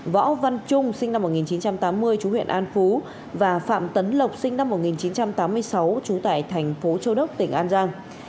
võ văn trung sinh năm một nghìn chín trăm tám mươi chú huyện an phú và phạm tấn lộc sinh năm một nghìn chín trăm tám mươi sáu trú tại thành phố châu đốc tỉnh an giang